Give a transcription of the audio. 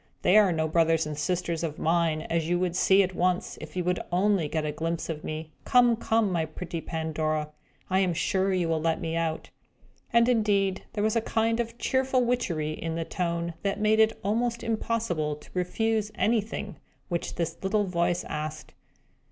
They are no brothers and sisters of mine, as you would see at once, if you were only to get a glimpse of me. Come, come, my pretty Pandora! I am sure you will let me out!" And, indeed, there was a kind of cheerful witchery in the tone, that made it almost impossible to refuse anything which this little voice asked.